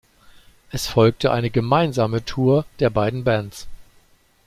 Es folgte eine gemeinsame Tour der beiden Bands.